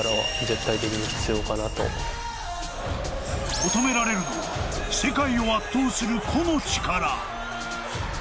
求められるのは世界を圧倒する個の力。